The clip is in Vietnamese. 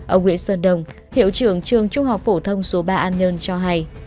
ông nguyễn sơn đồng hiệu trưởng trường trung học phổ thông số ba an nhơn cho hay